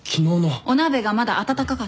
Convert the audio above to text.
お鍋がまだ温かかった。